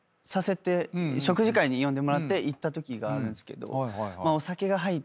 食事会に呼んでもらって行ったときがあるんすけど。